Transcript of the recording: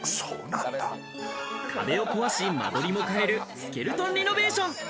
壁を壊し、間取りを変えるスケルトンリノベーション。